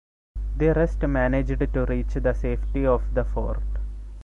The rest managed to reach the safety of the Fort.